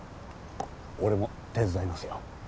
俺も手伝いますよ。